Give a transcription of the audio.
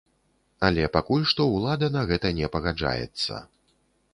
Але пакуль што ўлада на гэта не пагаджаецца.